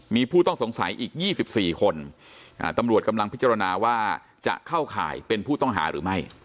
มีผู้ต้องสงสัยอีก๒๔คนตำรวจกำลังพิจารณาว่าจะเข้าข่ายเป็นผู้ต้องหาหรือไม่